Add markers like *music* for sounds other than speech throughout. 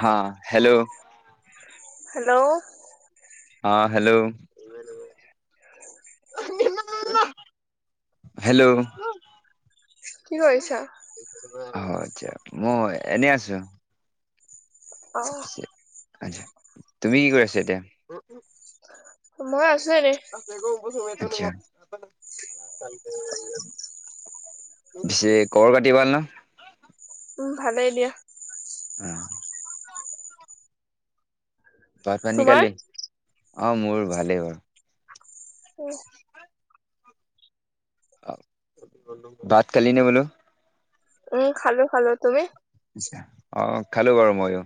হা hello. Hello. অ', hello. Hello. কি কৰিছা? অ', আতছা মই এনেই আছো। অ'। আতছা তুমি কি কৰি আছা এতিয়া। মই আছো এনে। *inaudible* পিছে খবৰ খাতি ভাল ন। উম ভালেই দিয়া। অ ভাত পানী তোমাৰ? খালি? অ মোৰ ভালেই বাৰু। ভাত‌ খালি নে বোলো? উম, খালো খালো। তুমি? অ', খালো বাৰু মইও।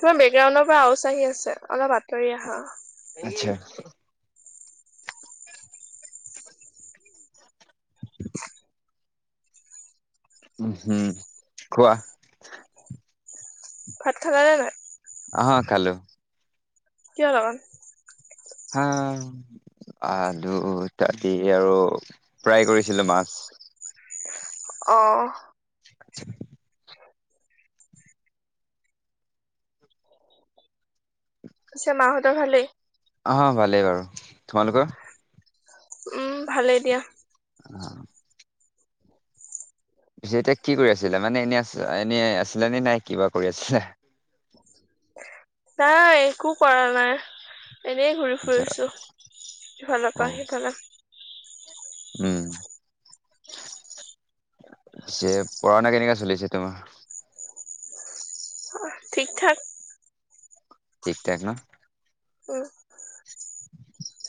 তোমাৰ বেকগ্ৰাউণ্ডৰ পৰা আওচ আহি আছে অলপ আঁতৰি আহা। আতচ্ছা। উম, হম কোৱা। ভাত খালা নে নাই? অহ খালো। কিহৰ লগত? হা? আলু ইত্যাদি আৰু ফ্ৰাই কৰিছিলো মাছ। অহ। *unintelligible* পিছে মাহঁতৰ ভালেই? অ', ভালেই বাৰু। তোমালোকৰ? উম, ভালেই দিয়া। অ'। পিছে এতিয়া কি কৰি আছিলে মানে এনে আ এনেই আছিলা নে নাই কিবা কৰি আছিলা? নাই একো কৰা নাই। এনেই ঘূৰি আচ্ছা ফুৰিছো ইফালৰ অ পৰা সিফালে। উম। পিছে পঢ়া শুনা কেনেকা চলিছে তোমাৰ? অ', ঠিক ঠাক। ঠিক ঠাক ন? উম,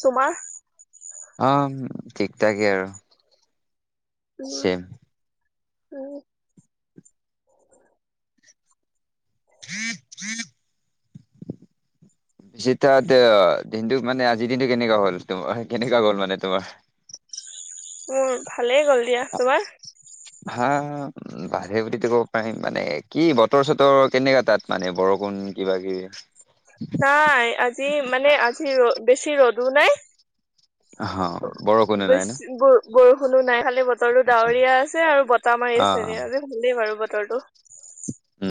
তোমাৰ? অ', ঠিক থাকেই আৰু উম চেম। উম। *inaudible* *unintelligible* দিনটো মানে আজিৰ দিনটো কেনেকা হ'ল তোমাৰ কেনেকা গ'ল মানে তোমাৰ? মোৰ ভালেই গ'ল দিয়া। তোমাৰ? হা বাহে উ ক'ব পাৰিম মানে কি বতৰ চতৰ কেনেককা তাত মানে বৰষুণ কিবা কিবি। নাই আজি মানে আজি ৰ বেছি ৰ'দো নাই অহ বৰষুণো নাই ন বেছি ব-বৰ শুনো নাই খালি বতৰো আচ্ছা ডাৱৰীয়া আছে আৰু বতাহ মাৰি অ আছে ভালেই বাৰু বতৰটো। উম।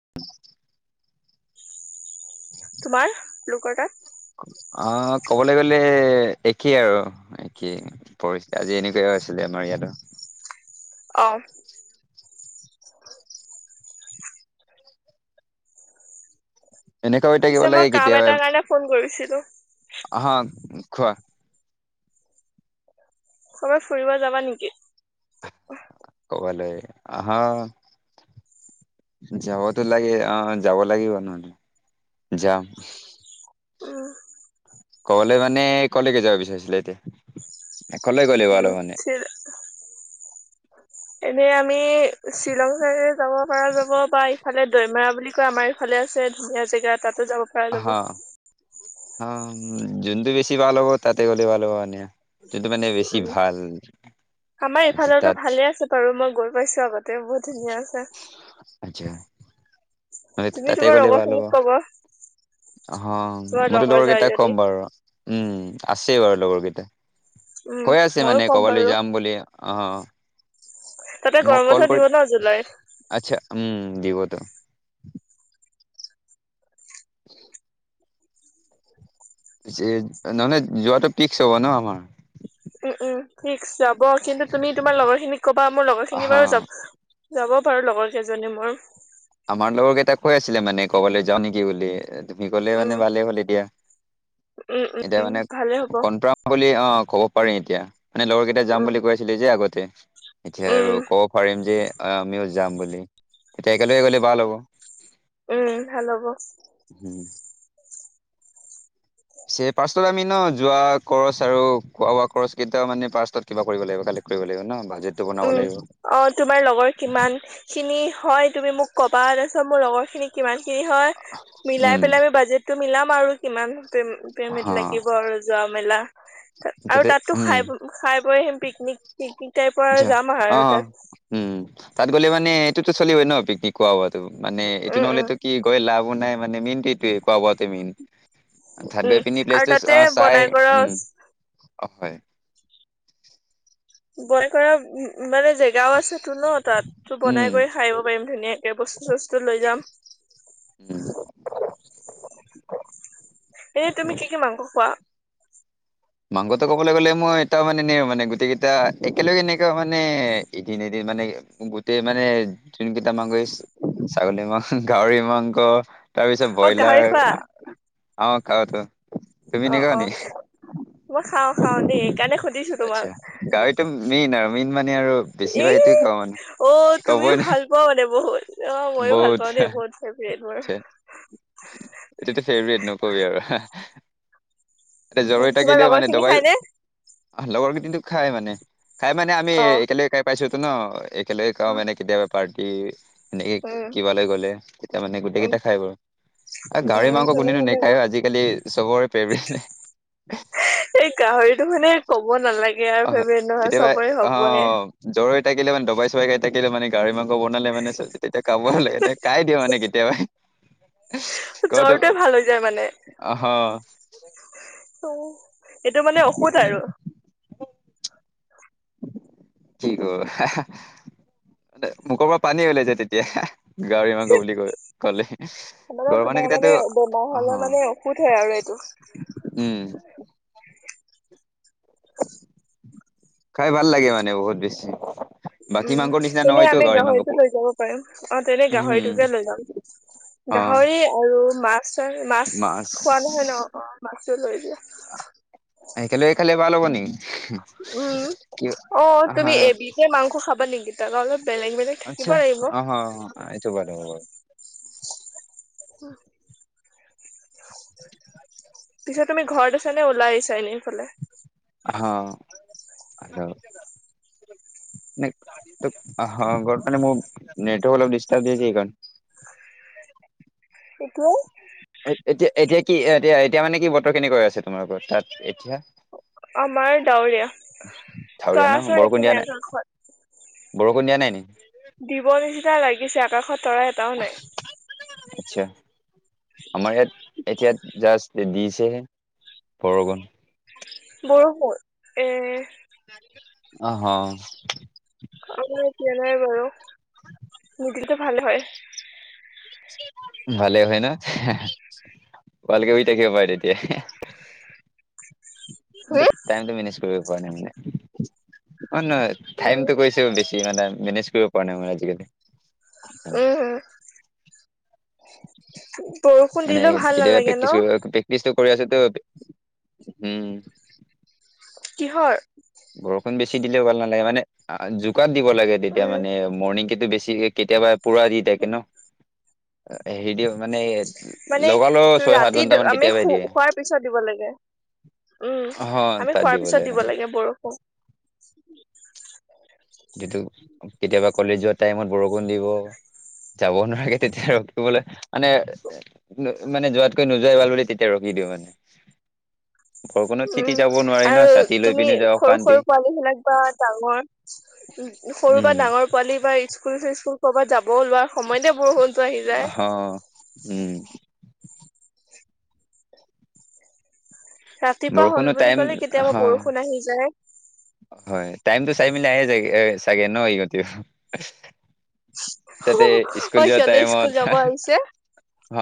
তোমাৰ *inaudible* অ', ক'বলৈ গলে একেই আৰু একেই পৰিস্থিতি আজি এনেকুৱা আছিলে। ইয়াতো। অ'। এনেকুৱা হৈ থাকিব পিছে মই লাগে কাম কেতিয়াবা, এটাৰ কাৰণে ফোন কৰিছিলো আহা খোৱা। ক'বাত ফুৰিব যাবা নেকি? বলে আহা। যাবতো লাগে অ' যাব লাগিব নহ'লে যাম। উম। কবালে মানে কলেকে যাব বিচাৰিছিলে এতিয়া? কলৈ গ'লে উ ভাল হ'ব মানে *unintelligible* এনে আমি শ্বিলং চাইৰে যাব পাৰা যাব বা ইফালে দৈমাৰা বুলি কয় আমা এইফালে আছে। এ ধুনীয়া জেগা তাতো যাব পা যাব। অ' জোনটো বেছি ভাল হ'ব তাতে গ'লে ভাল হ'ব মানে। তেটো মানে বেছি উম ভাল। আমাৰ ইফালৰতো তাত ভালে আছে বাৰু মই গৈ পাইছো আগত তে বুধ বৃহছ আচ্ছা তুমি তোমাৰ লগৰখিনিক ক'বা। হ তোমাৰ মইতো লগৰ যায় কেইটাক যদি কম বাৰু। উ আছে বাৰু লগৰ কেইটা। উম কৈ আছে ময়ো মানে ক'ম বাৰু ক'বালৈ যাম বুলি অ'। তাতে মই গৰম বন্ধ কল কৰি, দিব ন জুলাইত আচ্ছা উম দিবতো। *inaudible* নহ'লে যোৱাটো পিক্স হ'ব ন আমাৰ? উ, উ ফিক্স যাব কিন্তু তুমি তোমাৰ লগৰ খিনিক ক'বা, মোৰ লগৰ খিনি হা বাৰু যাব যাব পাৰো লগৰ কেইজনী মোৰ। আমাৰ লগৰ কেইটাক কৈ আছিলে মানে ক'বালৈ যাওঁ নেকি বুলি। তুমি ক'লে উম মানে ভালে হ'ল এতিয়া। উম এতিয়া উম মানে ভালে হ'ব কনপ্ৰা বুলি অ' ক'ব পাৰিম এতিয়া, মানে লগৰ কেইটা যাম উম বুলি কৈ আছিলে যে আগতে, এতিয়া আৰু উম ক'ব পাৰিম যে অ' আমিও যাম বুলি, এতিয়া কেলগে গ'লে ভাল হ'ব, উম ভাল হ'ব হ। ছে পাৰ্ষ্টত আমি ন যোৱা কৰচ আৰু খোৱা বোৱা কৰচ কেইটা মানে পাৰ্ষ্টত কিবা কৰিব লাগিব কাইলে। কইব লাইব ন? বাজেটটো উ, বনাব লাগিব অ' তোমাৰ লগৰ কিমান খিনি হয় তুমি মোক কবা তাচ ত' মোৰ লগৰ খিনি কিমান খিনি হয় মিলাই উম পেলাই আমি বাজেটটো মিলাম আৰু কিমান। পেম-পেমিট হা লাগিব আৰু যোৱা মেলা তাত, আৰু তাতে তাততো খাই-খাই *unintelligible* পিকনিক। পিকনিক টাইপৰ আৰু যা, যাম আৰু অ', তাত উ, উ তাত গ'লে মানে এটোতো চলিবই ন পিকনিক কোৱা বোৱাত। ত' মানে এইটো উম উম নহ'লেতো কি গৈ লাভো নাই মানে মেইন এইটোৱে কোৱা বোৱাটোৱে মেইন। অ' থাত গৈ উম পিন আৰু প্লেচটো তাতে আ চাই বনাই কৰা উ, অ' হয়। বয় কৰা উ মানে জেগাও আছেতো ন তাততো উম বনাই কৰি খাই আইব পাইম ধুনীয়াকে, বস্তু চস্তু লৈ যাম। উম এ তুমি কি কি মাংস খোৱা? মাংসতে ক'বলৈ গ'লে মই এটা মানে এনে মানে গোটেইকেইটা একেলগে এনেকুৱা মানে এদিন, এদিন মানে গোটেই মানে জোনকেইটা মাংগৈছ ছাগলী মাং, গাহৰি মাংস তাৰপিছত অ গাহৰি ব্ৰইলাৰ। খোৱা অ' কাউটো, তুমি অ নেগোৱা অ নি? মই খাওঁ খাওঁ দেই। কাণে সুধিছো তোমাক। আচ্ছা গাহৰিটো মেইন আৰু মেইন মানে আৰু বেছিভাগ এই অ' এইটোৱে খাওঁ মানে তো তুমিও ক'বই ন ভাল পোৱা মানে বহুত। অ' ময়ো ভাল বহুত পাওঁ দেই বহুত ফেভৰেট মোৰ। এইটো ফেভৰেট নকবি আৰু এ তোমাৰ জৰৈটাকিলেও *unintelligible* লগৰ মানে খিনি দবাই খাই নে লগৰ কেইটু *unintelligible* খাই মানে খাই মানে আমি অ একেলগে খাই পাইছো ত ন একেলগে খাওঁ উম মানে কেতিয়াবা পাৰ্টি এনেকে কিবা লৈ গ'লে তেতিযা মানে গোটেই উম কেইটা খাই বাৰু গাহৰি উম মাংস তেনে কোনিনো ভাল হ'ব নেখায় আজিকালি চবৰে ফেভৰেট এই গাহৰিটো মানে ক'ব নালাগে আও অ ফেবেদ নহয় কেতিয়াবা চবৰে অ হবই। জ্বৰ হৈ থাকিলে মানে দবাই চবাই খাই থাকিলে মানে গাহৰি মাংস বনালে মানে চ-তেতিয়া কাবই লাগে তে কাই দিওঁ মানে কেতিয়াবা। কতে, জ্বৰটোৱে ভাল হৈ যায় মানে অ' হ। অ' এটো মানে অসুদ আৰু। কি কৰ, মানে মুখৰ পৰা পানী ওলাই যায় তেতিয়া। গাহৰি মাংক বুলি কয় ক'লে, মানে ঘৰ মানুৱে তোমাৰ মানে কেতিয়াতো বেমাৰ অ' হ'লে হ। মানে ঔষধ হয় *unintelligible* খাই ভাল লাগে মানে বহুত বেছি বাকী উম মাংসৰ নিচিনা তেনে নহয়তো আমি গাহৰি মাংস গাহৰিটো লৈ যাব পাৰিম অ তেনে উম গাহৰিটোকে লৈ যাম। অ গাহৰি আৰু মাছ, মাছ খোৱা নহয় ন অ মাছটো লৈ দিয়া কিবা ল'ব নকি উম অ আহ তুমি এবিষে *unintelligible* মাংস খাবা নেকি তাৰা অলপ বেলেগ বেলেগ থাকিব আচ্ছা লাগিব। অ এইটো ব হব উম পিছে তুমি ঘৰত আছ নে ওলাই আহিছা এনেই ইফালে অ *unintelligible* ঘাৰত মানে মোৰ নেটৱৰ্ক অলপ দিষ্টৰব *unintelligible* এইটো এতিয়া এতিয়া কি এতিয়া এতিয়া মানে কি বতৰ কেনেকৈ আছে তোমালোকৰ তাত এতিয়া আমাৰ ডাৱৰীয়া। ডাউৰীয়া তৰা ন চৰা একো বৰষুণ দিয়া নাই আকাশত। ব গনিয়া *unintelligible* নাই নাই দিব নিচিনা লাগিছে আকাশত তৰাই এটাও নাই আচ্ছা আমাৰ ইয়াত এতিয়া জাষ্ট দিছেহে বৰষুণ বৰষুণ এ আহ আহ অ এতিয়া নাই বাৰু মিদিনটো *unintelligible* ভাল হয় ভালে হয় ন, ভালকে শুই থাকিব পাই তেতিয়া, ম হুম? টাইমটো মেনেজ কৰিব পৰা নাই মানে, অ নহয় উম টাইমতো গৈছে বেছি মানে মেনেজ কৰিব পৰা নাই। মোৰ আজিকালি, উম উম বৰষুণ মানে দিলেও ভাল কেতিয়াবা নালাগে প্ৰেক্টিচ ন। কৰিব প্ৰেক্টিচটো কৰি আছো। উম কিহৰ বৰষুণ বেছি দিলেও ভাল নালাগে মানে জোকাত দিব লাগে তেতিয়া উম মানে মৰ্ণিং কে। বেছি কেতিয়াবা পোৰা দি থাকে ন। হেৰি দি মানে মানে লগালগ ছয় সাত ৰাতিত ঘন্টামান আমি কেতিয়াবাই দিয়ে শোৱাৰ পিছত দিব লাগে। উম আমি খোৱাৰ পিছত দিব লাগে বৰষুণ। যিটো কেতিয়াবা কলেজৰ টাইমত বৰষুণ দিব। যাব নোৱাৰে তেতিয়া ৰখিবলৈ মানে, মানে যোৱাতকৈ নোযোৱাই ভাল বুলি। তেতিয়া ৰখিব। দিবানে উ উম নোৱাৰি ন আৰু ছাতি লৈ তুমি পিনে যাওঁ সৰু, অশান্তি। সৰু পোৱালিবিলাক বা ডাঙৰ, উ সৰু বা ডাঙৰ পোৱালি বা স্কুল চিস্কুল কৰ'বাত যাব লোৱাৰ সময়তে বৰষুণ। হ, উম ৰাতিপুৱা হল বৰষুণো বুলি টাইম ক'লে কেতিয়াবা হ বৰষুণ আহি যায়। হয় টাইমটো চাই মেলি আহে যায় চাগে ন ইহতে অ সিহঁতে টাইমত স্কুল যাব আহিছে। অ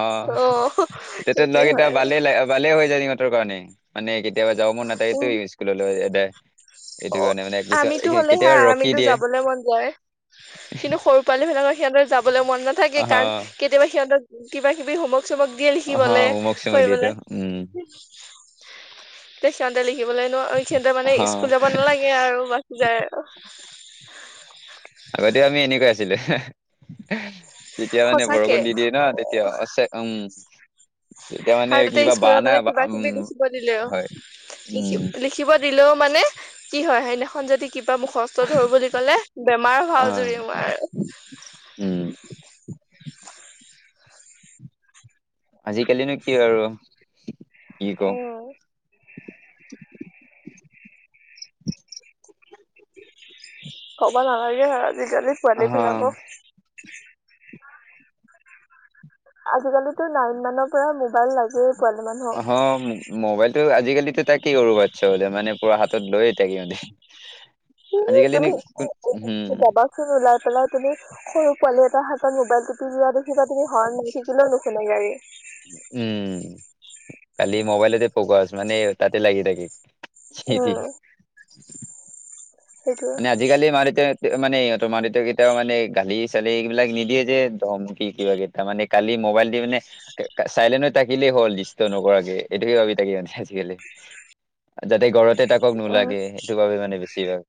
তেতিয়া সেইটোয়ে লগত হয় এতিয়া আৰু ভালে হৈ যায়। কাৰণে মানে, কেতিয়াবা যাবৰ মন নাথাকেতো উম স্কুললৈ এনে অ আমিতো হলে হা ৰখি আমিতো দিয়ে যাবলে মন যায়। কিন্তু সৰু পোৱালি বিলাকৰ সিহঁতৰ যাবলৈ মন নাথাকে। অহ কাৰণ কেতিয়াবা সিহঁতৰ কিবা কিবা কিবি হব চবকে অহ লিখিবলে হোমৱৰ্ক চোমৱৰ্ক দিয়েতো কৰিবলে। উম তে সিহঁতে লিখিবলৈ। নোৱাৰ সিহঁতে মানে অহ স্কুল যাব নালাগে আৰু বাকি যায় আৰু ই আগতেও আমি এনেকৈ আছিলো। তেতিয়া মানে সঁচাকে বৰষুণ দি দিয়ে ন তেতিয়া, উম তেতিয়া মানে আৰু তাতে কিবা স্কুলৰ বাহানা পৰা বা- কিবা উম কিবি লিখিব দিলে অ, হয় উম লিখিব দিলেও মানে কি হয় সেইদিনাখন যদি, কিবা মুখস্থ ধৰো বুলি ক'লে বেমাৰ অ ভাও জুৰি মই আৰু উম আজিকালিনো কি আৰু অ উ ক'ব নালাগে আৰু আজিকালি পোৱালি অহ বিলাকক। আজিকালিতো নাইন মানৰ পৰা মোবাইল লাগে। অ মোবাইল আজিকালিতো তাকেই কৰো পাচত মানে পুৰা হাতত লৈ থাকে সিহঁতে আজিকালি নো তুমি কোন উম কবলাচোন ওলাই পেলা তুমি সৰু পোৱালী এটা হাতত মোবাইল টিপি দিয়া দেখিবা তুমি হৰ দি থাকিলেও নুশুুনে গাড়ী উম, খালি মোবাইলেতে ফকাচ মানে তাতে লাগি থাকে। সেতি উম *unintelligible* সেইটোৱে মানে আজিকালি মা দেউতাই মানে ইহঁতৰ মা দেউতা কেতিয়াও মানে গালি চালি এইবিলাক নিদিয়ে যে ধমিকি কিবা কেইটা মানে কালি মোবাইল দি মানে চাইলেন থাকিলেই হ'ল দুষ্ট নকৰাকে। এইটোকে ভাবি থাকে মানে আজিকালি। যাতে ঘৰতে থাকক নোলাগে। সেইটো ভাবি মানে বেছি ভাগ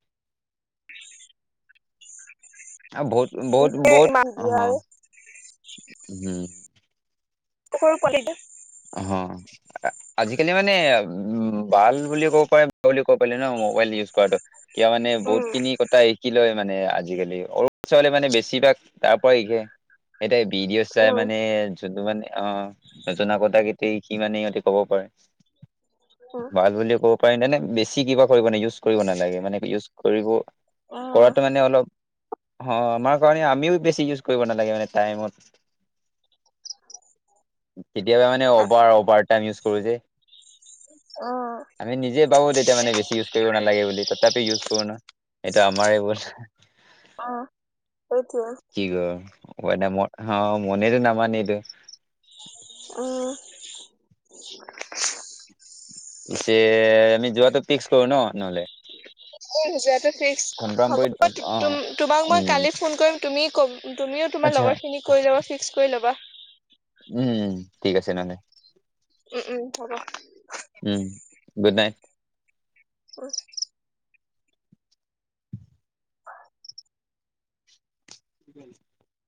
আৰু বহুত, বহুত, বহুত, উম দিয়া অ আৰু উম স কলেজ অ আজিকালি মানে উ ভাল বুলি ক'ব পাৰে বুলি কব পাৰে ন মবাইল কিয় মানে বহুত উম খিনি কথা শিকি লয় মানে আজিকালি সৰু ছোৱালী মানে বেছিভাগ তাৰ পৰা শিকে এটাই ভিডিঅ' চাই উম মানে যোনটো মানে অ নজনা আগত কাকেইট *unintelligible* সি মানে সিহঁতে ক'ব পাৰে উম ভাল বুলি ক'ব বেছি কিবা কৰিব ইজ কৰিব নালাগে মানে ইজ কৰিব কৰাটো মানে অলপ অ আমাৰ কাৰণে আমিও বেছি ইউজ কৰিব নালাগে মানে টাইমত কেতিয়াবা মানে উম অভাৰ অভাৰ ইউজ কৰো যে উম আমি নিজে পাবো *unintelligible* তেতিয়া মানে বেছি ইউজ কৰিব নালাগে বুলি ত তাপি ইউজ কৰো ন এইটো আমাৰে ভুল অ সেইটোযে কি অ এ ম মনে *unintelligible* যো ন মন উ পিছে আমি যোৱাতটো ফিক্স কৰো ন নহ'লে। যোৱাটো ফিক্স কনফাৰ্ম হ'ব, কৰি অ তোমাক মই উম কালি ফোন কৰিম তুমি ক তুমিও তোমাৰ আচ্ছা লগৰখিনি কৈ লাবা ফিক্স কৰি ল'বা। উম ঠিক আছে নহলে। উম উম হ'ব। উম গুড নাইট। অ কিিক *unintelligible*